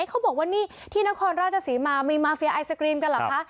เขาบอกว่านี่ที่นครราชศรีมามีมาเฟียไอศกรีมกันเหรอคะ